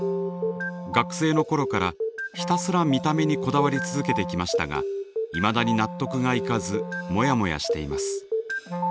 学生の頃からひたすら見た目にこだわり続けてきましたがいまだに納得がいかずモヤモヤしています。